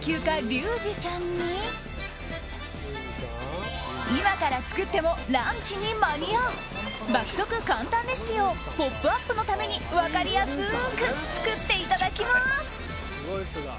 リュウジさんに今から作ってもランチに間に合う爆速簡単レシピを「ポップＵＰ！」のために分かりやすく作っていただきます。